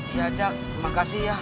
iya cak terima kasih ya